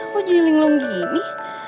kok jadi linglung gini